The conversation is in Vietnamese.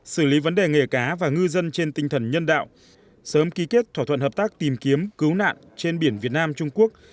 xử lý vấn đề nghề cá và ngư dân trên tinh thần nhân đạo sớm ký kết thỏa thuận hợp tác tìm kiếm cứu nạn trên biển việt nam trung quốc